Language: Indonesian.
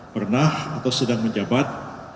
pernah atau sedang menjabat